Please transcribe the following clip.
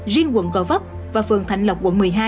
riêng quận gò vấp và phường thạnh lộc quận một mươi hai